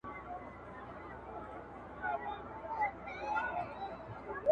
هم ښکاري وو هم ښه پوخ تجریبه کار وو,